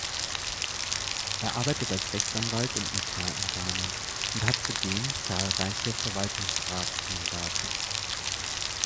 Er arbeitet als Rechtsanwalt und Notar in Sarnen und hat zudem zahlreiche Verwaltungsratsmandate.